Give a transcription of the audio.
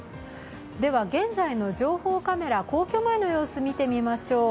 現在の情報カメラ、皇居前の様子を見てみましょう。